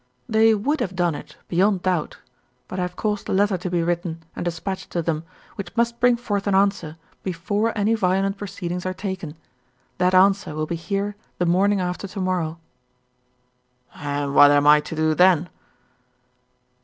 "They would have done it, beyond doubt; but I have caused a letter to be written and dispatched to them, which must bring forth an answer before any violent proceedings are taken. That answer will be here the morning after to morrow." "And what am I do to then?"